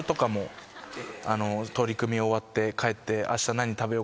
取組終わって帰って。